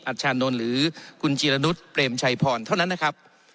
ชานนท์หรือคุณจีรนุษย์เปรมชัยพรเท่านั้นนะครับ